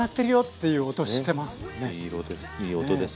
いい色です